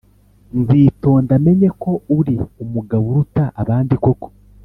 nzitonda menye ko uri umugabo uruta abandi koko."